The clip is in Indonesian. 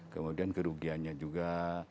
kemudian kerugiannya juga